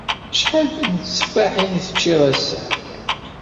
Acḥal n tteffaḥin i teččiḍ ass-a?